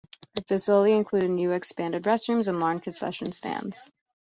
The facility included new expanded restrooms and larger concession stands.